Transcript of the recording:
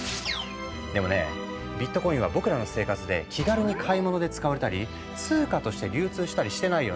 でもねビットコインは僕らの生活で気軽に買い物で使われたり通貨として流通したりしてないよね。